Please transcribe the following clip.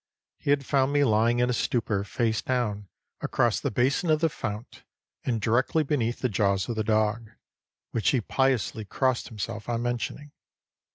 He had found me lying in a stupor, face down, across the basin of the fount, and directly beneath the jaws of the dog, which he piously crossed himself on mentioning.